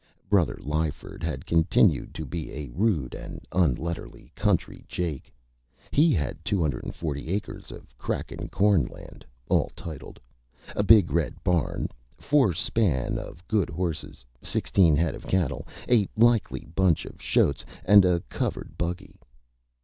Brother Lyford had continued to be a rude and unlettered Country Jake. He had 240 acres of crackin' Corn Land (all tiled), a big red Barn, four Span of good Horses, sixteen Head of Cattle, a likely bunch of Shoats and a Covered Buggy.